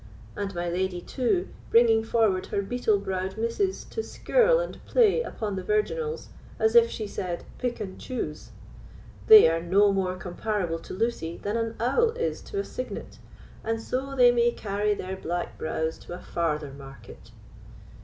And my lady, too, bringing forward her beetle browed misses to skirl and play upon the virginals, as if she said, 'Pick and choose.' They are no more comparable to Lucy than an owl is to a cygnet, and so they may carry their black brows to a farther market."